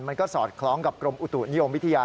สอดคล้องกับกรมอุตุนิยมวิทยา